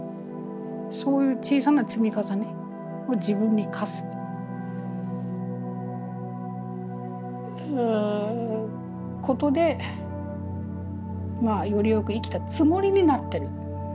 そういう小さな積み重ねを自分に課すことでまあより善く生きたつもりになってる。